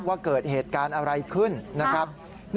ว่าเกิดเหตุการณ์อะไรขึ้นนะครับ